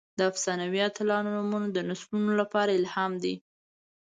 د افسانوي اتلانو نومونه د نسلونو لپاره الهام دي.